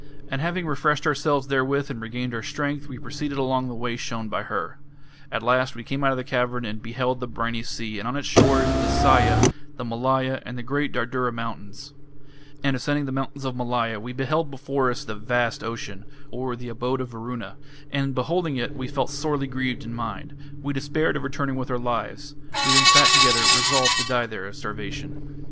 And having refreshed ourselves therewith and regained our strength, we proceeded along the way shown by her. At last we came out of the cavern and beheld the briny sea, and on its shores, the Sahya, the Malaya, and the great Dardura mountains. And ascending the mountains of Malaya, we beheld before us the vast ocean (or, "the abode of Varuna"). And beholding it, we felt sorely grieved in mind.... We despaired of returning with our lives.... We then sat together, resolved to die there of starvation."